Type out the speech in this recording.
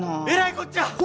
えらいこっちゃ！